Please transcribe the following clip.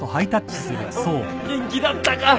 ・元気だったか？